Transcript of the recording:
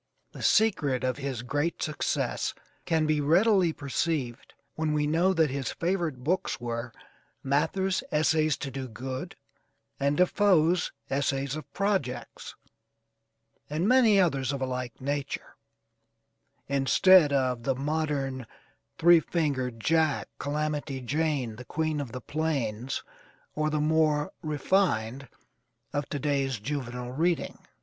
The secret of his great success can be readily perceived, when we know that his favorite books were Mather's "Essays to Do Good," and DeFoe's "Essays of Projects," and many others of a like nature: instead of the modern "Three Fingered Jack," "Calamity Jane," "The Queen of the Plains," or the more 'refined' of to day's juvenile reading.